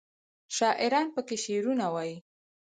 شاعران پکې شعرونه وايي.